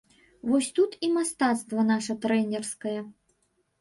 Вось тут і мастацтва нашае трэнерскае.